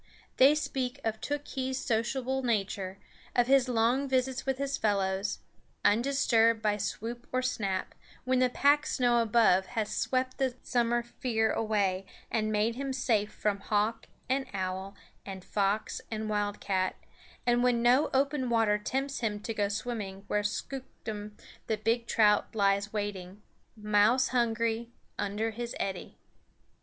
They speak of Tookhees' sociable nature, of his long visits with his fellows, undisturbed by swoop or snap, when the packed snow above has swept the summer fear away and made him safe from hawk and owl and fox and wildcat, and when no open water tempts him to go swimming where Skooktum the big trout lies waiting, mouse hungry, under his eddy.